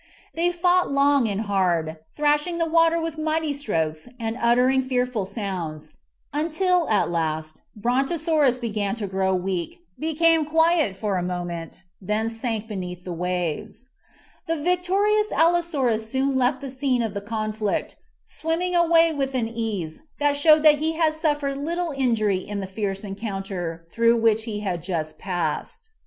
They fought long and hard, thrashing the water with mighty strokes and uttering fearful sounds, until, at last, Brontosaurus began to grow weak, be came quiet for a moment, then sank beneath the waves. The victorious Allosaurus soon left the scene of the conflict, swimming away with an ease that showed he had suffered little injury in the fierce encounter through which he had just passed.